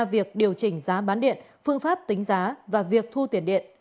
việc điều chỉnh giá bán điện phương pháp tính giá và việc thu tiền điện